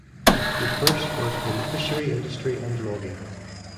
He first worked in the fishery industry and logging.